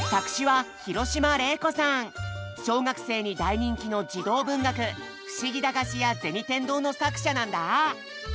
小学生に大人気の児童文学「ふしぎ駄菓子屋銭天堂」の作者なんだ。